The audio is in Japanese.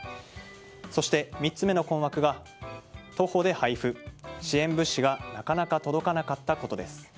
そして、３つ目の困惑が徒歩で配布支援物資がなかなか届かなかったことです。